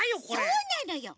そうなのよ。